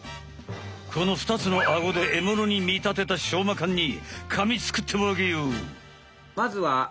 このふたつのアゴでえものに見たてたしょうま缶にかみつくってわけよ。